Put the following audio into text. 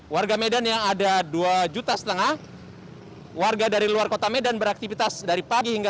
warga medan yang ada dua juta setengah warga dari luar kota medan beraktivitas dari pagi hingga